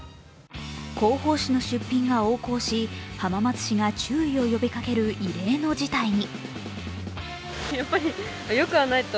広報誌の出品が横行し浜松市が注意を呼びかける異例の事態に。